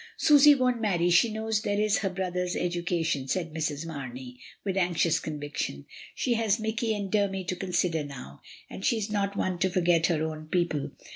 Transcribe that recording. "Susy won't marry; she knows there is her brothers' education," said Mrs. Mamey, with anxious conviction. "She has Mikey and Denny to consider now, and she is not one to forget her own people.